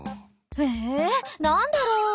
えなんだろう？